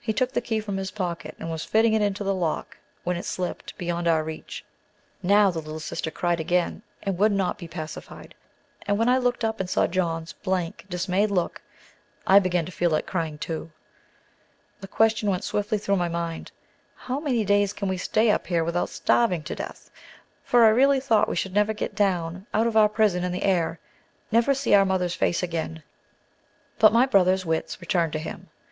He took the key from his pocket and was fitting it into the lock, when it slipped, beyond our reach. Now the little sister cried again, and would not be pacified; and when I looked up and caught John's blank, dismayed look, I began to feel like crying, too. The question went swiftly through my mind, How many days can we stay up here without starving to death? for I really thought we should never get down out of our prison in the air: never see our mother's face again. But my brother's wits returned to him.